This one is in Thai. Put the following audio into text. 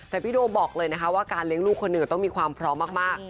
แต่พี่โดบอกเลยนะคะว่าการเลี้ยงลูกคนหนึ่งต้องมีความพร้อมมาก